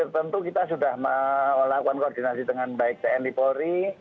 tentu kita sudah melakukan koordinasi dengan baik tni polri